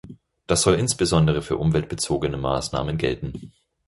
Das soll insbesondere für umweltbezogene Maßnahmen gelten.